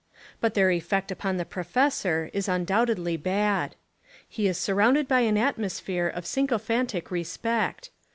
But their effect upon the professor Is undoubtedly bad. He is surrounded by an at mosphere of sycophantic respect.